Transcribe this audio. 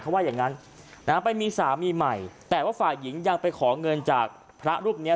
เขาว่าอย่างงั้นนะฮะไปมีสามีใหม่แต่ว่าฝ่ายหญิงยังไปขอเงินจากพระรูปเนี้ย